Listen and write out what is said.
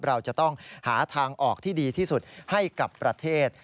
เราจะต้องหาทางออกที่ดีที่สุดให้กับประเทศ